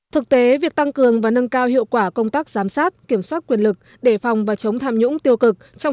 thực tế việc tăng cường và nâng cao hiệu quả công tác giám sát kiểm soát quyền lực đề phòng và chống tham nhũng tiêu cực